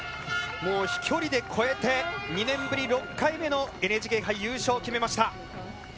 もう飛距離で越えて２年ぶり６回目のＮＨＫ杯優勝を決めました。